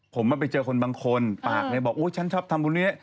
ผมมาไปเจอคนบางคนปากเลยบอกโอ๊ยฉันชอบทำบุญนี้